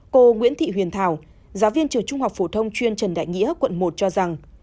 cô nguyễn thị huyền thảo giáo viên trường trung học phổ thông chuyên trần đại nghĩa quận một cho rằng